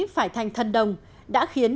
phải thành thần đồng đã khiến